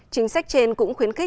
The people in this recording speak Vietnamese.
chính sách trên cũng khuyến khích